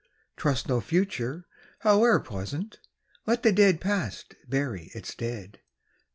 Trust no future, howe'er pleasant! Let the dead Past bury its dead!